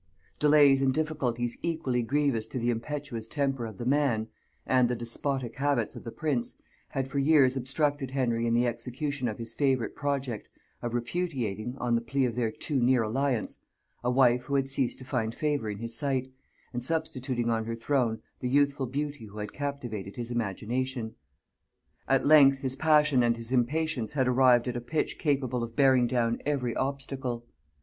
Delays and difficulties equally grievous to the impetuous temper of the man and the despotic habits of the prince, had for years obstructed Henry in the execution of his favourite project of repudiating, on the plea of their too near alliance, a wife who had ceased to find favor in his sight, and substituting on her throne the youthful beauty who had captivated his imagination. At length his passion and his impatience had arrived at a pitch capable of bearing down every obstacle.